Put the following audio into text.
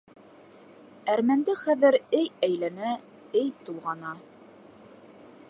Әрмәнде хәҙер эй әйләнә, эй тулғана.